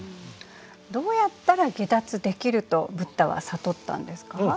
どうやったら解脱できるとブッダは悟ったんですか？